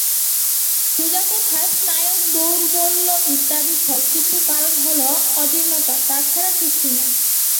সোজা কথায়, স্নায়ুদৌর্বল্য ইত্যাদি সব কিছুর কারণ হল অজীর্ণতা, তাছাড়া কিছুই না।